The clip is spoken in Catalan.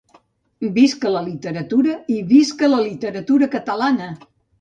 Visca la literatura i visca la literatura catalana!